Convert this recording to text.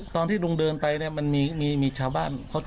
ตอนที่ลุงเดินไปเนี่ยมันมีชาวบ้าน